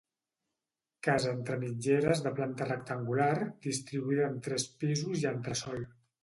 Casa entre mitgeres de planta rectangular, distribuïda en tres pisos i entresòl.